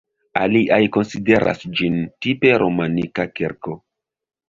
Aliaj konsideras ĝin tipe romanika kirko.